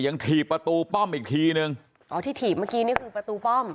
ถีบประตูป้อมอีกทีนึงอ๋อที่ถีบเมื่อกี้นี่คือประตูป้อม